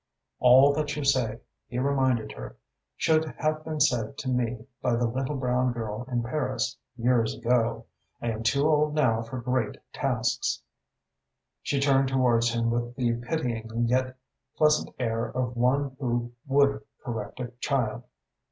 "All that you say," he reminded her, "should have been said to me by the little brown girl in Paris, years ago. I am too old now for great tasks." She turned towards him with the pitying yet pleasant air of one who would correct a child.